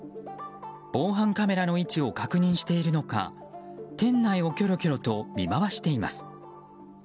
防犯カメラの位置を確認しているのか店内をきょろきょろと見回しています。